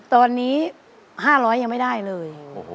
ตอนนี้๕๐๐ยังไม่ได้เลย